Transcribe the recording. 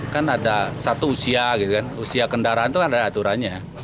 kan ada satu usia gitu kan usia kendaraan itu kan ada aturannya